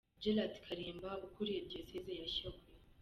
Jered Kalimba ukuriye Diyoseze ya Shyogwe.